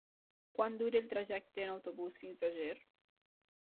Quant dura el trajecte en autobús fins a Ger?